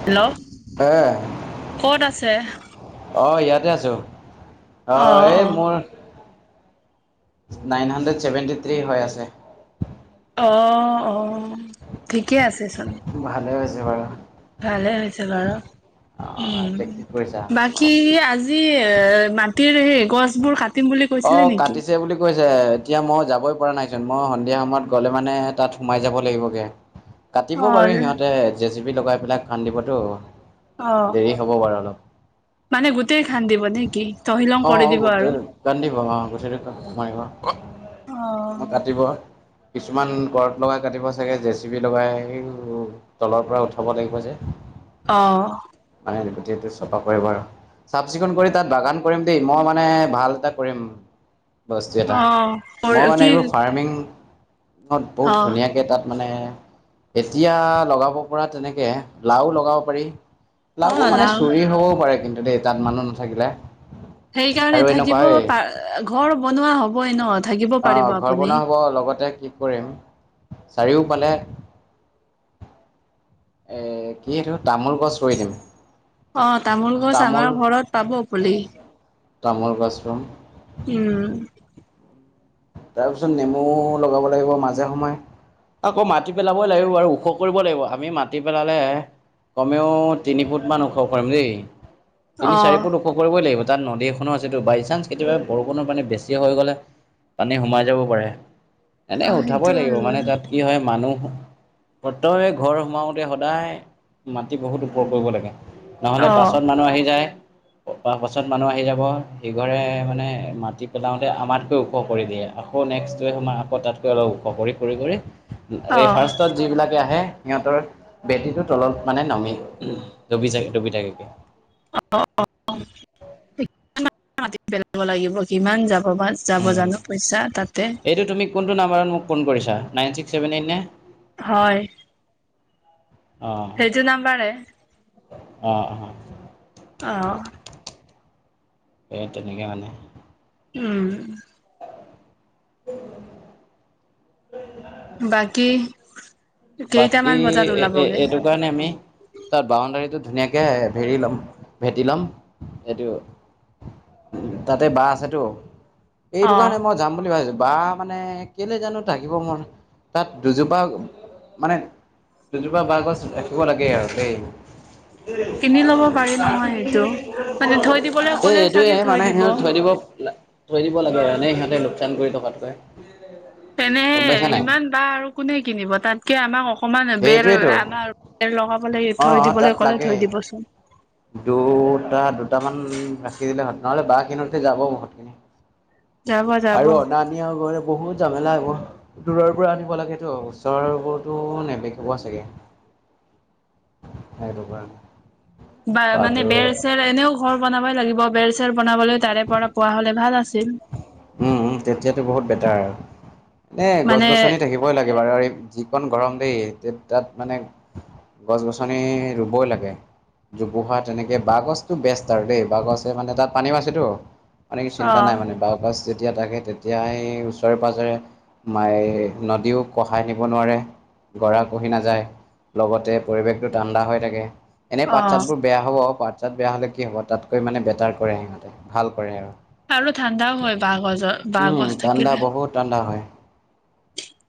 Hello হে কত আছে। অঁ ইয়াতে আছোঁ অ অঁ এই অ মোৰ। নাইন হাণ্ড্ৰেড ছেভেণ্টি থ্ৰী হৈ আছে। অ অ ঠিকে আছে। ভালে হৈছে বাৰু। ভালে হৈছে বাৰু অ এতিয়া কি কৰিছা উ বাকী আজি। এ মাটিৰ সেই গছবোৰ কাট। অ কাটিছে বুলি কৈছে। এতিয়া মই যাবই পৰা নাইচোন মই সন্ধিয়া সময়ত গ'লে মানে তাত সোমাই যাব লাগিবগে। কাটিব অ বাৰু সিহঁতে জে চি বি লগাই পেলাই খান্দিবতো। অ দেৰি হ'ব বাৰু অলপ। মানে গোটেই খান্দিব নে কি তহিলং কৰি দিব আৰু খান্দিব অঁ গুটেইটো মাৰিব অ কাটিব। কিছুমান কৰৰত লগাই কাটিব চাগে জেচিপি লগাই তলৰ পৰা উঠাব লাগিব যে। অহ। য চফা কৰিব আৰু চাফ চিকুণ কৰি তাত বাগান কৰিম দেই মই মানে ভাল এটা। কৰিম বস্তু এটা অ মই মানে কি এইবোৰ ফাৰ্মিং। বহুত অ ধুনীয়াকে তাত মানে। এতিয়া লগাব পৰা তেনেকে লাও লগাব পাৰি লাও মানে চুৰি হবও পাৰে কিন্তু দেই তাত মানুহ নাথাকিলে সেইকাৰণে আৰু এনেকুৱা থাকিব এই পা ঘৰ বনোৱা হবই ন থাকিব অ' পাৰিব ঘৰ আপুনি বনোৱা চাৰিও ফালে এ কি এইটো তামোল গছ ৰুই দিম অ তামোল গছ আমাৰ ঘৰত পাব পুলি তামোল গছ ৰুম উম তাৰপিছত নেমু লগাব লাগিব মাজে সময়ে আকৌ মাতি পেলাবই লাগিব বাৰু ওখ কৰিব লাগিব আমি মাটি পেলালে কমেও তিনি ফুট মান ওখ কৰিম দেই তিনি অ চাৰি ফুট ওখ কৰিবই লাগিব তাত নদী এখনো আছেটো বাই চান্স কেতিয়াবা বৰষুণৰ পানী বেছি হৈ গ'লে পানী সোমাই যাব পাৰে অ এনেই উঠাবই সেইটো হৈ লাগিব মানে গ'ল তাত কি হয় মানুহ প্ৰতেক ঘৰ সোমাওতে সদায় মাটি বহুত ওপৰ কৰিব লাগে নহলে অ পাছত মানুহ আহি যায় পাছত মানুহ আহি যাব সিঘৰে মানে মাটি পেলাওতে আমাতকৈও ওখ কৰি দিয়ে আকৌ নেক্সট টোৱে সোমাই আকৌ তাতকৈ অলপ ওখ কৰি কৰি কৰি অ এই ফাৰ্ষ্টত যিবিলাকে আহে সিহঁতৰ ভেঁটিটো তলত মানে নামি ডবি থাক ডবি থাকে অ অ মাটি পেলাব লাগিব কিমান যাব বা যাব উ জানো পইচা তাতে এইটো তুমি কোনটো নাম্বৰত মোক ফোন কৰিছা নাইন ছিক্স চেভেন এইট নে হয় সেইটো নাম্বাৰে অ অ অহ সেই তেনেকে মানে উম উ বাকী বাকী কেইটামান বজাত ওলাবগে এইটো কাৰণে আমি তাত বাউণ্ডাৰী টো ধুনীয়াকৈ ভেৰি ল'ম ভেটি ল'ম এইেটো তাতে বাঁহ আছে তো অ এইটো কাৰণে মই যাম বুলি ভাবিছো বা মানে কেলে জানো থাকিব মন তাত দুজোপা মানে দুজোপা বাহ গছ ৰাখিব লাগে আৰু দেই কিনি লব পাৰি নহয় সেইটো মানে থৈ দিবলৈ এ ক'লেও এইটোৱে চাগে থৈ মানে সিহঁত থৈ দিব থৈ দিব লাগে এনে সিহঁতে লোকচান কৰি থকাতকৈ গম তেনেহে পাইছা নাই সিমান বাহ আৰু কোনে কিনিব তাতকে আমাক অক মান বেৰ সেইটোৱেইটো আমাৰ বেৰ লগাব লাগে অ থৈ তাত দিবলৈ ক'লে লাগে। থৈ দিবচোন দুটা দুটামান ৰাখি দিলে হ নহলে বাহঁ কিনোতে যাব বহুতখিনি যাব যাব আৰু অনা নিয়া গৈ বহুত জামেলা এইবোৰ দূৰৰ পৰা আনিব লাগেতো ওচৰবোৰতো নে বিক্ৰী চাগে [inaudible] সেইটো কাৰণে বা মানে বাটো বেৰ চেৰ এনেও ঘৰ বনাবই লাগিব বেৰ চেৰ বনাবলৈ তাৰে পৰা পোৱা হলে ভাল আছিল উম তেতিয়াতো বহুত বেটাৰ এনে গছ মানে গছনি থাকিবই লাগে বাৰু যিকণ গৰম দেই তে তাত মানে গছ গছনি ৰুবই লাগে জোপোহা তেনেকে বাহঁ গছটো বেষ্ট আৰু দেই বাঁহ গছে মানে তাত পানীও‌আছে তো মানে কি অ চিন্তা নাই মানে বাঁহ গছ যেতিয়া থাকে তেতিয়া সেই ওচৰে পাঁজৰে মাই নদীও কঢ়াই নিব নোৱাৰে গৰা খহি নাযায় লগতে পৰিৱেশটো ঠাণ্ডা হৈ থাকে এনে পাত চাত বোৰ বেয়া হ'ব পাত চাত বেয়া হ'লে কি হ'ব তাতকৈ মানে বেটাৰ কৰে সিহঁতে ভাল কৰে আৰু আৰু ঠাণ্ডাও হয় বাঁহ গছৰ বাঁহ উম, গছ ঠাণ্ডা থাকিলে বহুত ঠাণ্ডা হয়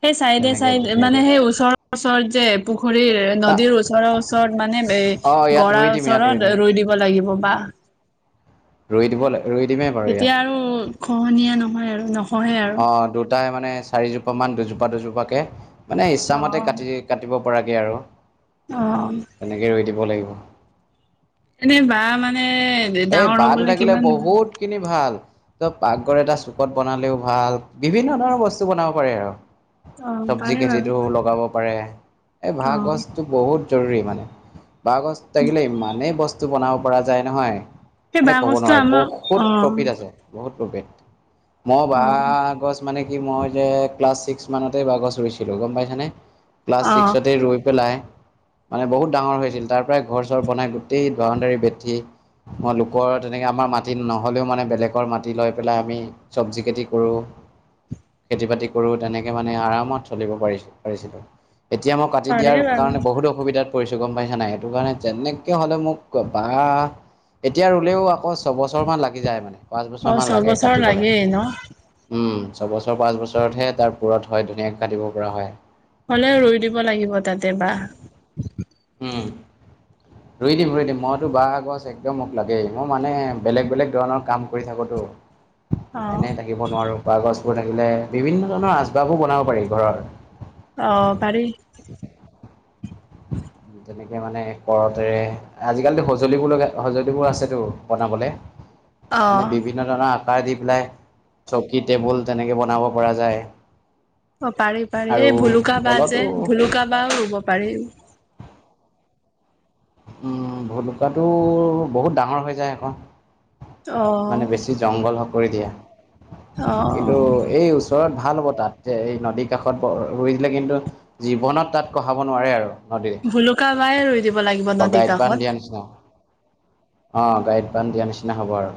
সেই চাইডে তেনেকে চাইডে মানে ধুনীয়াকে। সেই ওচৰৰ ওচৰত যে পুখুৰীৰ নদীৰ ওচৰৰ ওচৰত মান মানে অ', এ ইয়াত ৰুই গৰাৰ দিম ইয়াত ওচৰত দিম ৰুই দিব লাগিব বা ৰুই দিব লে তেতিয়া আৰু খহনীয়া নহয় আৰু নহ অ দুটাই মানে চাৰিজোপা মান দুজোপা দুজোপাকে মানে অ ইচ্ছামতে কাটি কাটিব পৰাকে আৰু অ তেনেকৈ ৰোই দিব লাগিব এনে বা মানে এই ডাঙৰ বাহটো হবলৈ থাকিলে কিমান বহুত খিনি ভাল ত পাকঘৰ এটা চুকত বনালেও ভাল বিভিন্ন ধৰণৰ বস্তু বনাব পাৰে আৰু অ চব্জি পাৰে বাৰু খেতিতটো লগাব পাৰে এই বাহঁ অ গছটো বহুত জৰুৰী মানে বাহঁ থাকিলে ইমানেই বস্তু বনাব পৰা যায় নহয় সেই মানে বাঁহ ক'ব গছটো নোৱাৰে আমাৰ অ বহুত প্ৰফিট আছে বহুত প্ৰফিত মই অ বাঁহ গছ মানে কি মই যে ক্লাছ ছিক্স মানতে বাঁহ গছ ৰুইছিলোঁ গম পাইছানে ক্লাছ অ ছিক্সতে ৰৈ পেলাই মানে বহুত ডাঙৰ হৈছিল তাৰ পৰাই ঘৰ চৰ বনাই গোটেই বাশুডাৰী ভেটি মই লোকৰ তেনেকৈ আমাৰ মাটি নহ'লেও মানে বেলেগৰ মাটি লৈ পেলাই আমি চব্জি খেতি কৰোঁ খেতি বাতি কৰো তেনেকে মানে আৰামত চলিব পাৰি পাৰিছিলো এতিয়া মই কাটি পাৰে দিয়াৰ বাৰু কাৰণে বহুতো অসুবিধাত পৰিছো গম পাইছা নাই সেইটো কাৰণে যেনেকে হলে মোক বাহঁ এতিয়া ৰুলেও আকৌ ছবছৰমান লাগি যায় মানে পাঁচ অ বছৰমান লাগে ছবছৰ কাটিবলে। লাগেই ন ছবছৰ পাঁচ বছৰতহে তাৰ পূৰত হয় ধুনীয়াক কাটিব পৰা হয় হ'লেও ৰই দিব লাগিব তাতে বাহ উম ৰুই দিম ৰুই দিম মইতো বাঁহাগছ একদম মোক লাগেই মই মানে বেলেগ বেলেগ ধৰণৰ কাম কৰি থাকোতো অ [unintelligible] এনে থাকিব নোৱাৰো বাহ গছবোৰ থাকিলে বিভিন্ন ধৰণৰ আচবাৰবো বনাব পাৰি ঘৰৰ আঁহ পাৰি। তেনেকে মানে কৰতেৰে আজিকালিতো সঁজুলিবোৰ লগা সঁজুলিবোৰ আছেতো বনাবলে অ মানে বিভিন্ন ধৰণৰ দি পেলাই চকী টেবুল তেনেকে বনাব পৰা যায় অঁ পাৰি পাৰি এই আৰু ভুলুকা বাহ তলতো যে ভুলুকা বাঁহ ৰুব পাৰি উম ভুলুকাটো বহুত ডাঙৰ হৈ যায় আকৌ। অ মানে বেছি জংঘল হক কৰি দিয়া। অ অ কিন্তু এই ওচৰত। ভাল হ'ব তাত যে এই নদীৰ কাষত ৰুই দিলে কিন্তু জীৱনত তাত কঢ়াব নোৱাৰে আৰু নদীৰে ভলুকাবাঁহ ৰুই দিব লাগিব নদীৰ গাইড বান্ধ কাষত দিয়া নিচিনা অঁ গাইড বান্ধ দিয়া নিচিনা হ'ব আৰু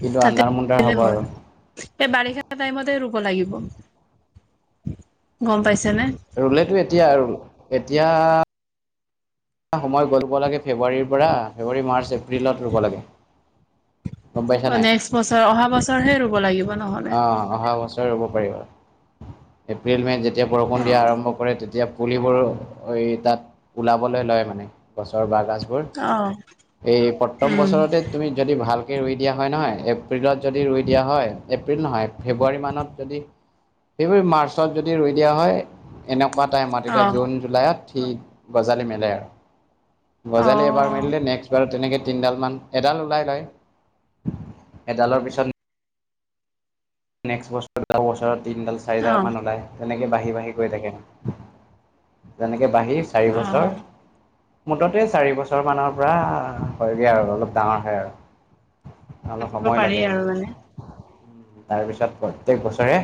কিন্তু তাতে আন্ধাৰ মুন্ধাৰ হ'ব হল আৰু এই বাৰিষা টাইমতে ৰুব লাগিব গম পাইছেনে ৰুলেতো এতিয়া আৰু এতিয়া সময় গল লাগে ফেব্ৰুৱাৰীৰ পৰা ফেব্ৰুৱাৰী মাৰ্চ এপ্ৰিলত ৰুব লাগে গম পাইছা অঁ নাই নেক্সট বছৰ অহা বছৰ হে ৰুব লাগিব নহ'লে অঁ অহা বছৰে ৰোব পাৰিব এপ্ৰিল মে যেতিয়া তেতিয়া বৰষুণ অ দিয়া আৰম্ভ কৰে তেতিয়া পুলিবোৰো এই তাত ওলাবলৈ লয় মান গছৰ বাঁহগাজ অ এই প্ৰথম উম বছৰতে তুমি যদি ভাল ৰুই দিয়া হয় নহয় এপ্ৰিলত যদি ৰুই দিয়া হয়। এপ্ৰিল নহয় ফেব্ৰুৱাৰী মানত যদি ফেব্ৰুৱাৰী মাৰ্চত যদি ৰুই দিয়া হয় এনে। নেুৱা টাইমত এতিয়া অ জুন জুলাইত সঠিক গজালি মিলে আৰু গজালি এবাৰ অ', মেলিলে নে্স বাৰ তেনেকে তিনিডালমান এডাল ওলাই লয় এডালৰ পিছত। নেক্সট বছৰ য বছ তিডাল চাৰিডাল অ', মান ওলায় তেনেকে। বাঢ়ি বাঢ়ি গৈ থাকে যেনেকে বাঢ়ি চাৰি বছৰ। অ', মুঠতে চাৰি বছৰ মানৰ পৰা হয়গৈ আৰু অলপ ডাঙৰ হয় আৰু অলপ পাতিব সময় পাৰি লাগে আৰু মানে। আৰু তাৰপিছত প্ৰত্যক বছৰে।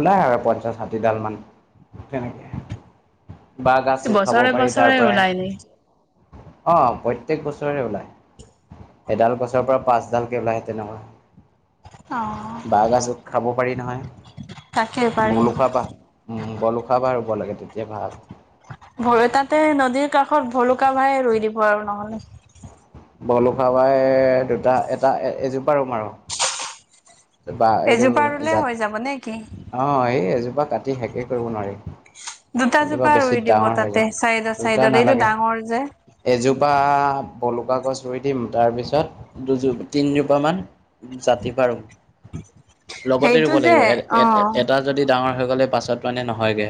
ওলাই আৰু পঞ্চাশ ষাঠিডাল মান তেনেকে। বাঁ গছো খাব বছৰে পাৰি তাৰ বছৰে পৰাই। ওলাই নেকি? অঁ প্ৰত্যয়েক বছৰেৰে ওলায়। এডাল গছৰ পৰা পাচডালকে ওলাই তেনেকা। অ', বাঁহগাজো খাব পাৰি নহয়। তাকে পাৰি। বলো খাবাহম বলো খাবাহ ৰুব লাগে তেতিয়া ভাল। ভয় তাতে নদীৰ কাষত ভলুকা ভাইে ৰুই দিব আৰু নহলে। বলো খাবাই দুটা এটা এসোপামান আৰু বা এইটো এজোপা ৰুলে জাত হৈ যাব নে কি? অঁ সেই। বা কাটি শেষেই কৰিব নোৱাৰাৰে। দুটা এজোপা জোপা বেছি ৰুই দিব ডাঙৰ হৈ তাতে যায় চাইডত দুটা চাইডত এইটো নালাগে ডাঙৰ যে। এযোপ। বাহ্ ভুলোৱা গছ দিম তাৰ পাছত তিনজোপামান জাতিবাঁহ। বাৰো। লগতে সেইটো ৰুব যে লাগিব অ', এটা যদি ডাঙৰ হৈ গ'লে পাছত মানে নহয়গে।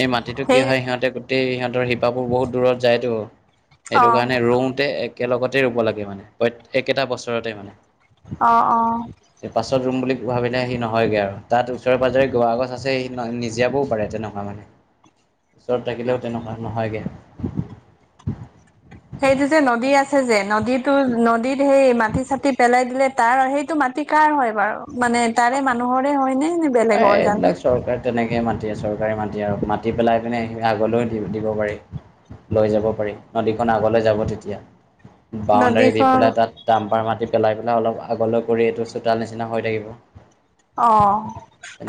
এই মাটিতটো কি সেই হয় সিহঁতে গোটেই সিহঁতৰ শিপাপোৰ বহুত দূৰত যায়তো। সেইটো অ', কাৰণে ৰওঁতে একেলগতে ৰুব লাগে মানে প্ৰত একেটা বছৰতে মানে। অ অ পাছত ৰুম বুলি ভাবিলে সি নহয়গে আৰু তাত ওচৰে পাজৰে গোৱা গগছ আছে সেই নিজিয়াবও পাৰে তেনেকোৱা মানে। [unintelligible] ওচৰত থাকিলেও তেনেকুৱা নহয়গে সেইটো যে নদী আছে যে নদীতটো নদীত সেই মাটি চাটি পেলাই দিলে। তাৰ সেইটো মাটি কাৰ হয় বাৰু মানে তাৰে মানুহৰে হয় নে। নে বেলেগৰ জানো? এইবিলাক চৰকাৰ তেনেকে। এ মাতি চৰকাৰে মাতি আৰু মাতি পেলাই পিনে সেইখিনি আগলৈও দি দিব পাৰি। লৈ যাব পাৰি নদীখন আগলৈ যাব তেতিয়া। বাউণ্ডাৰী দি নদীখন পেলাই তাত ডাম্পাৰ মাতি। পেলাই পেলাই অলপ আগলৈ কৰি এইটো চোতাল নিচিনা হৈ থাকিব। অ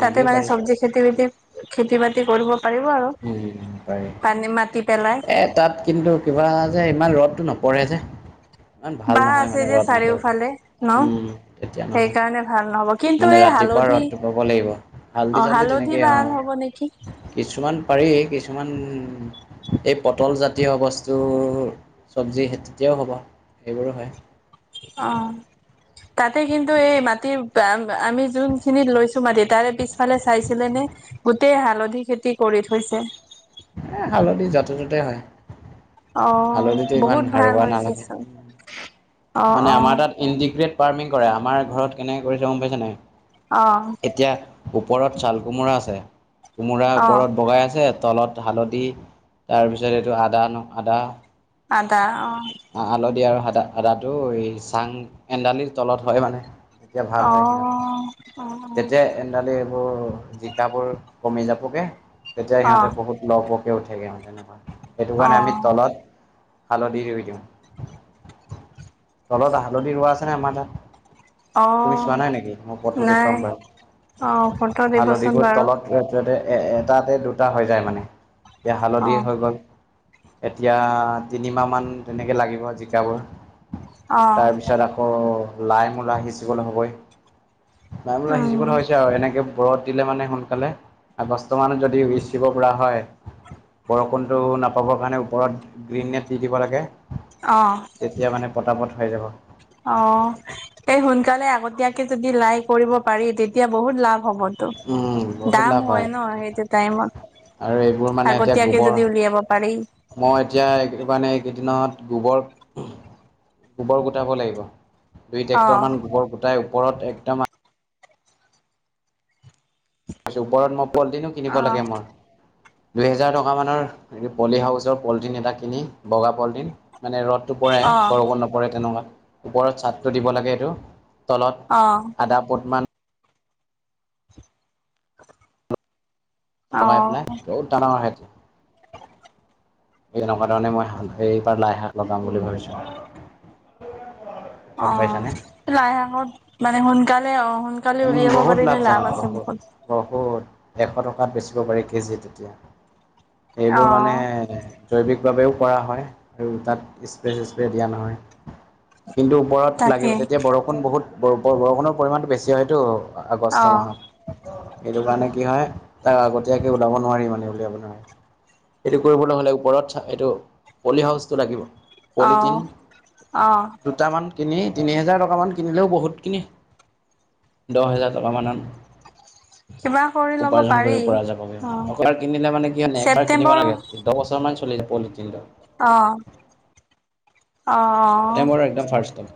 তাতে মানে পাৰি চব্জি খেতি বাতি খেতি বাতি কৰিব পাৰিব আৰু উম পাৰি। পানী মাটি। পেলাই এ তাত কিন্তু কিবা যে ইমান ৰ'দতটো নপৰে যে। ইমান ভাল বাঁহ নহয় আছে মানে যে ৰ'দ নপৰিলে চাৰিওফালে ন উম তেতিয়া নহয় সেইকাৰণে ভাল নহব কিন্তু মানে এই ৰাতিপুৱা হালধি ৰ'দ। লব লাগিব হালধি অ চাল্দি তেনেকেই ভাল আহ হ'ব নেকি কিছুমান পাৰি কি? কিছুমান এই পটলজাতীয় বস্তুৰ চব্জি তেতিয়াও হ'ব। সেইবোৰো হয়। অ তাতে কিন্তু এই মাটি আমি যোনখিনিত লৈছো মাটি তাৰে পিছফালে চাইছিলে নে গোটেই হালধি খেতি কৰি থৈছে। এ হালধি যাতে ততে হয়। অ হালধিটো ইমান বহুত ভাল হাৰুৱা হৈছে নালাগে। চোন অ মানে অ আমাৰ তাত ইণ্টিগ্ৰেট ফাৰ্মিং কৰে আমাৰ ঘৰত কেনেকে কৰিছে গম পাইছে নাই। আহ এতিয়া ওপৰত ছাল কোমোৰা আছে কোমোৰা অ ওপৰত হালধি তাৰপিছত এইটো আদা ন আদা আদা অ দা আদাটো এই চাং শেনদাডালিৰ তলত হয় মানে তেতিয়া ভাল হয়। সিহঁতে অ', অ', যেতিয়া শেনডালি এইবোৰ জিকাবোৰ। কমি যাবগে তেতিয়া সিহঁতে অ', বহুত ল পকে উঠেগে সিহঁত তেনেকুৱা সেইটো কাৰণে আমি অ', তলত হালধি ৰুই দিওঁ তলত হালধি ৰোৱা আছে নে আমাৰ তাত তুমি অ', চোৱা নাই নেকি মই পথটো নাই দেখুৱাম বাৰু অ', ফটো হালধি দিবচোন বাৰু [unintelligible] এটাতে দুটা হৈ যায় মানে এতিয়া হালধি অ', হৈ গ'ল এতিয়া তিনিমাহমান তেনেকৈ লাগিব জিকাবোৰ অ', তাৰপিছত আকৌ লাই মূলা সিজিবলৈ হবই, লাই মূলা উম, সিজিবলৈ হৈছে আৰু এনেকে ও বৰত দিলে মানে সোনকালে আগষ্টমানত যদি উইচিব পৰা হয় বৰষুণতটো নাপাবৰ কাৰণে ওপৰত গ্ৰীণ দি দিব লাগে অ', তেতিয়া মানে পতাপত হৈ যাব অ এই সোনকালে আগতীয়াকে যদি লাই কৰিব পাৰি তেতিয়া বহুত লাভ। হ'বতো। উম, বহুত লাভ দাম হয় ন সেইটো টাইমত। আৰু এইবোৰ মানে এতিয়া আগতীয়াকে গোবৰ, যদি উলিয়াব পাৰি মই এতিয়া মানে কেইদিনত গোবৰ- গোবৰ গোটাব লাগিব। দুই অ', ট্ৰেক্টৰ মান গোবৰ গোটাই ওপৰত একদম ওপৰত মই পলিটিনো কিনিব লাগে অ', মই। দুই হেজাৰ টকা মানৰ পলি হাউচৰ পলটিন এটা কিনি বগা পলিটিন। মানে ৰ'দটো পৰে অ', বৰষুণ নপৰে তেনেকুৱা, ওপৰত চাদটো দিব লাগে এইটো। অ', তলত আধা পুটমান লগাই অ', পেলাই বহুত ডাঙৰ- ডাঙৰ হয় এনেকুৱা ধৰণে মই এইবাৰ লাই শাক লগাম বুলি ভাবিছো অ লাইশাংত মানে সোনকালে অ সোনকালে উম উলিয়াব বহুত পাৰিলে লাভ লাভজনক আছে বহুত বহুত। এশ টকাত বেচিব পাৰি কেজি তেতিয়া এইবোৰ মানে অ', জৈৱিকভাৱেও কৰা হয় আৰু তাত স্প্ৰে চি্প্ৰে দিয়া নহয় কিন্তু ওপৰত তাকে লাগিব তেতিয়া বৰষুণ বহুত বৰষুণ পৰিমাণটো বেছি হয়তটো। অ আগষ্ট মাহত সেইটো কাৰণে কি হয়। তাক আগতীয়াকে ওলাব নোৱাৰি মানে উলিয়াব নোৱাৰে এইটো কৰিবলৈ হ'লে ওপৰত এইটো পলি হাউচটো লাগিব অ পলিথিন অ দুটামান কিনি তিনি হেজাৰ টকামান কিনিলেও বহুত কিনি দহ হেজাৰ টকামানত কিবা কৰি ল'ব উপাৰ্জন পাৰি কৰিব পৰা যাবগ অ অবাৰ কিনিলে মানে কি হয়বাৰ কিনিব ছেপ্তেম্বৰ লাগেধহ বছৰ মান চলি [unintelligible] আহ, আহ ছেপ্টেম্বৰৰ একদম ফাৰ্ষ্টত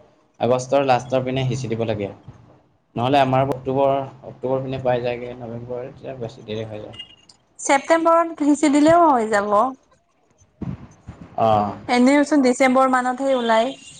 আগষ্টৰ লাষ্টৰ পিনে সিঁচি দিব লাগে নহ'লে আমাৰ অক্টোবৰ- অক্টোবৰ পিনে পাই যায়গে। নৱেম্বৰ এতিয়া বেছি দেৰি হৈ যায়। ছেপ্তেম্বৰত সিঁচি দিলেও হৈ যাব অঁ এনেওচোন ডিচেম্বৰ মানতহে ওলাই।